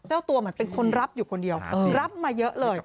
เจ้าตัวเหมือนเป็นคนรับอยู่คนเดียวรับมาเยอะเลย